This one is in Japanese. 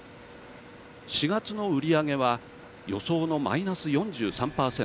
４月の売り上げは予想のマイナス４３％。